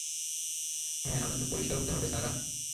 হ্যাঁ আমাকে পরিষ্কার হতে হবে সারা?